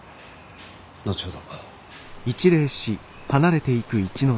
後ほど。